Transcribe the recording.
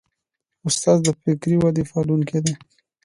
استاد د فکري ودې پالونکی دی.